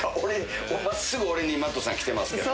真っすぐ俺にＭａｔｔさんきてますけど。